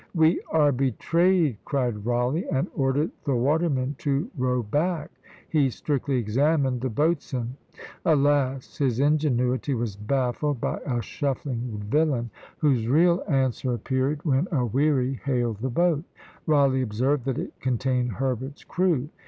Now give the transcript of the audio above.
"We are betrayed!" cried Rawleigh, and ordered the watermen to row back: he strictly examined the boatswain; alas! his ingenuity was baffled by a shuffling villain, whose real answer appeared when a wherry hailed the boat: Rawleigh observed that it contained Herbert's crew.